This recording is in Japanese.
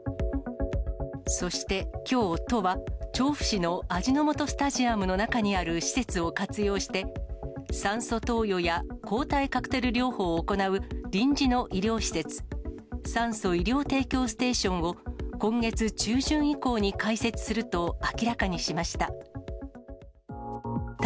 そしてきょう都は、調布市の味の素スタジアムの中にある施設を活用して、酸素投与や抗体カクテル療法を行う臨時の医療施設、酸素・医療提供ステーションを、今月中旬以降に開設すると明らかにしました。